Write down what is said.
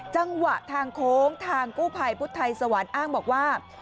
จังหวะทางโค้งทางกู้ภัยพุทธไทยสวรรค์อ้างบอกว่า